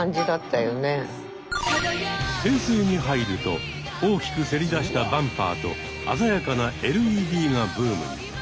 平成に入ると大きくせり出したバンパーと鮮やかなＬＥＤがブームに。